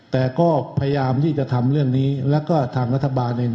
แต่ก็พยายามที่จะทำเรื่องนี้แล้วก็ทางรัฐบาลเอง